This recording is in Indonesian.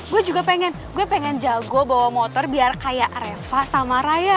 gue juga pengen gue pengen jago bawa motor biar kayak reva sama raya